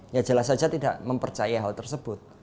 ya jelas saja tidak mempercaya hal tersebut